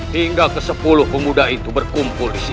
hingga ke sepuluh pemuda itu berkumpul di sini